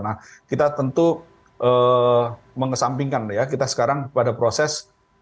nah kita tentu mengesampingkan ya kita sekarang pada proses